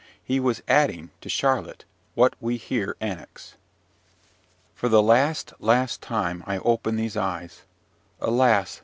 He was adding, to Charlotte, what we here annex. "For the last, last time I open these eyes. Alas!